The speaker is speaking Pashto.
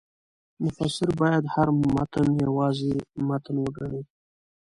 مفسر باید هر متن یوازې متن وګڼي.